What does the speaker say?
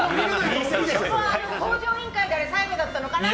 「向上委員会」が最後だったのかなって。